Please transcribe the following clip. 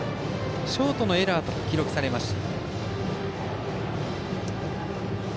ショートのエラーが記録されました。